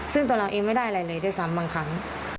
ซึ่งตัวเราเองไม่ได้อะไรเลยด้วยซ้ำบางครั้ง